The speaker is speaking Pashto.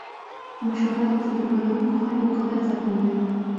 مشوره د تجربه لرونکو خلکو قدر څرګندوي.